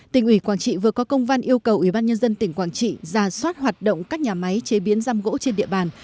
tỉnh ubnd vừa có công văn yêu cầu ubnd tỉnh quảng trị ra soát hoạt động các nhà máy chế biến giam gỗ trên địa bàn